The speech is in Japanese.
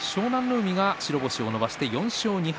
海が白星を伸ばして４勝２敗。